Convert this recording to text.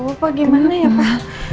aduh pak gimana ya pak